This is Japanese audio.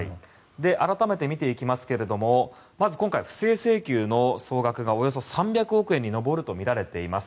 改めて見ていきますがまず今回、不正請求の総額がおよそ３００億円に上るとみられています。